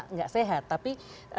tidak sehat tapi